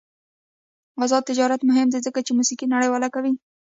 آزاد تجارت مهم دی ځکه چې موسیقي نړیواله کوي.